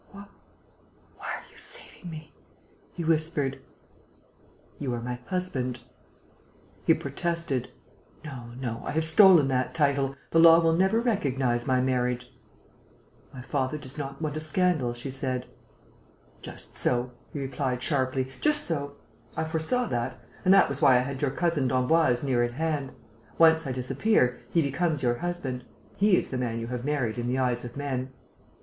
"Why are you saving me?" he whispered. "You are my husband." He protested: "No, no ... I have stolen that title. The law will never recognize my marriage." "My father does not want a scandal," she said. "Just so," he replied, sharply, "just so. I foresaw that; and that was why I had your cousin d'Emboise near at hand. Once I disappear, he becomes your husband. He is the man you have married in the eyes of men."